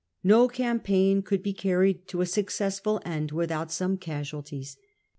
JSTo campaign could lie carried to a successful end without some casualties.